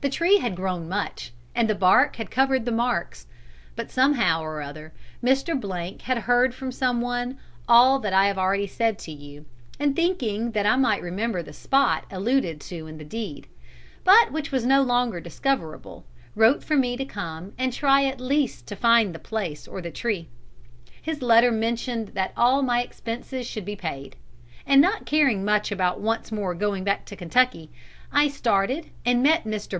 "'The tree had grown much, and the bark had covered the marks. But somehow or other Mr. had heard from some one all that I have already said to you, and thinking that I might remember the spot alluded to in the deed, but which was no longer discoverable, wrote for me to come and try at least to find the place or the tree. His letter mentioned that all my expenses should be paid; and not caring much about once more going back to Kentucky, I started and met Mr.